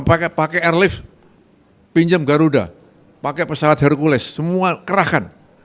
pakai pakai airlift pinjam garuda pakai pesawat hercules semua kerahkan